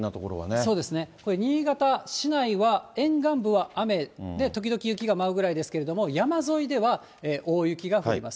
そうですね、これ、新潟市内は沿岸部は雨で、時々雪が舞うぐらいですけれども、山沿いでは、大雪が降ります。